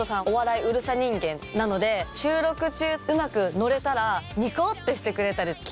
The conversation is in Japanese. お笑いうるさ人間なので収録中うまく乗れたらニコってしてくれたり。